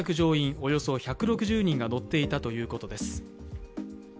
およそ１６０人が乗っていたということです。